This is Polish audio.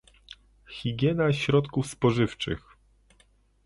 Higiena środków spożywczych